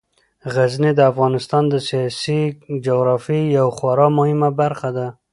غزني د افغانستان د سیاسي جغرافیې یوه خورا مهمه برخه ده.